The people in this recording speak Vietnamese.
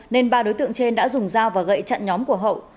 nên ba đối tượng trên đã dùng dao và gậy chặn nhóm của hậu